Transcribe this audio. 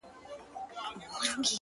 داده غاړي تعويزونه زما بدن خوري ـ